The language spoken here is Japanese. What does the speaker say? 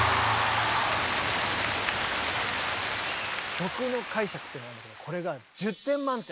「曲の解釈」っていうのがあるんだけどこれが１０点満点。